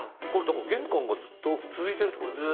玄関がずっと続いてるってことでしょう？